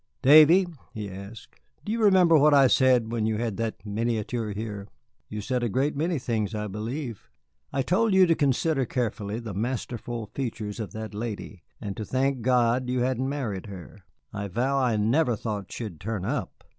"Davy," he asked, "do you remember what I said when you had that miniature here?" "You said a great many things, I believe." "I told you to consider carefully the masterful features of that lady, and to thank God you hadn't married her. I vow I never thought she'd turn up.